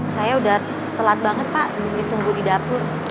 saya udah pelan banget pak ditunggu di dapur